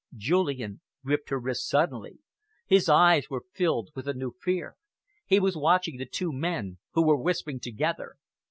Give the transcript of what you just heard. Julian gripped her wrist suddenly. His eyes were filled with a new fear. He was watching the two men, who were whispering together.